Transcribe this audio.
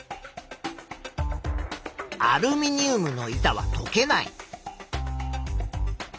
アルミニウムの板はとけない。